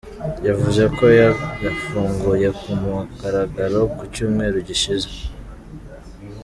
Yavuze ko yagafunguye ku mugaragaro ku cyumweru gishize.